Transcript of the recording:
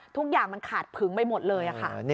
ทุกอย่างมันขาดผึงไปหมดเลยค่ะ